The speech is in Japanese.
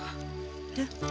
えっ？